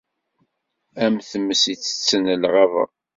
Am tmes ittetten lɣaba.